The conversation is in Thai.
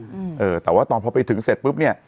อืมเออแต่ว่าตอนพอไปถึงเสร็จปุ๊บเนี้ย